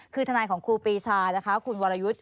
คือทนายของครูปีชานะคะคุณวรยุทธ์